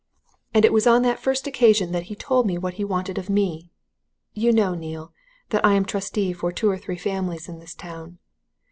"And it was on that first occasion that he told me what he wanted of me. You know, Neale, that I am trustee for two or three families in this town.